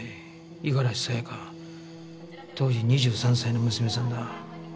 五十嵐さやか当時２３歳の娘さんだ。